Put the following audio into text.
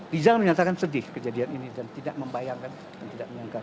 rizal menyatakan sedih kejadian ini dan tidak membayangkan dan tidak menyangka